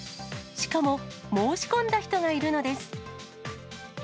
しかも、申し込んだ人がいるのです。